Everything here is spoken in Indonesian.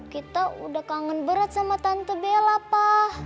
kita udah kangen berat sama tante bella pa